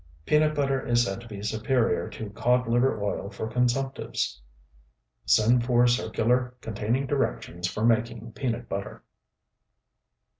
Peanut butter is said to be superior to codliver oil for consumptives. Send for circular containing directions for making peanut butter.